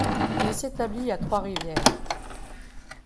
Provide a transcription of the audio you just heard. Il s'établit à Trois-Rivières.